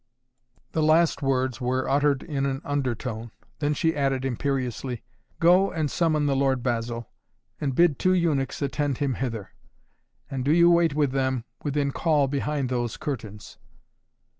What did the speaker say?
The last words were uttered in an undertone. Then she added imperiously: "Go and summon the lord Basil and bid two eunuchs attend him hither! And do you wait with them within call behind those curtains."